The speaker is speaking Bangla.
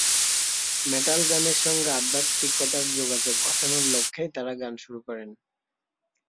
মেটাল গানের সঙ্গে আধ্যাত্মিকতার যোগাযোগ ঘটানোর লক্ষ্যেই তাঁরা গান শুরু করেন।